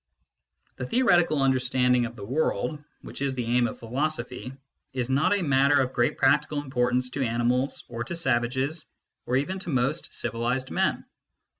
The theoretical understanding of the world, which is the aim of philosophy, is not a matter of great practical importance to animals, or to savages, or even to most civilised men.